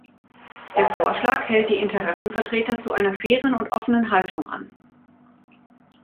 Der Vorschlag hält die Interessenvertreter zu einer fairen und offenen Haltung an.